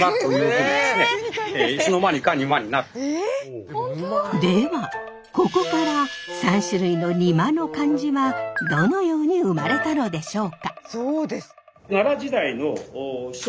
当初ではここから３種類のにまの漢字はどのように生まれたのでしょうか？